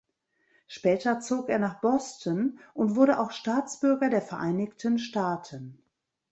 Später zog er nach Boston und wurde auch Staatsbürger der Vereinigten Staaten.